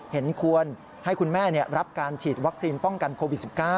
เห็นควรให้คุณแม่รับการฉีดวัคซีนป้องกันโควิด๑๙